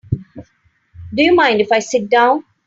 Do you mind if I sit down?